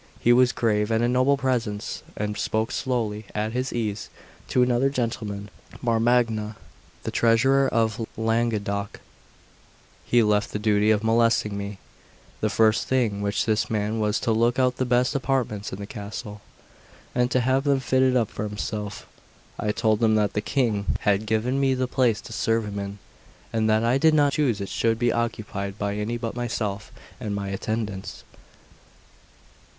He was grave, and of a noble presence, and spoke slowly, at his ease. To another gentleman, Monsignor di Marmagna, the treasurer of Languedoc, he left the duty of molesting me. The first thing which this man did was to look out the best apartments in the castle, and to have them fitted up for himself. I told him that the King had given me the place to serve him in, and that I did not choose it should be occupied by any but myself and my attendants.